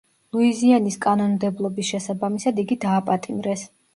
ლუიზიანის კანონმდებლობის შესაბამისად იგი დააპატიმრეს.